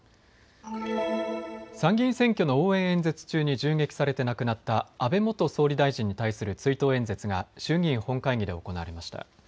参議院選挙の応援演説中に銃撃されて亡くなった安倍元総理大臣に対する追悼演説が衆議院本会議で行われました。